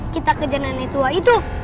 kita kejar nenek tua itu